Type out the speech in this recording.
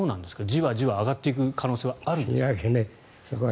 じわじわ上がっていく可能性はあるんですか？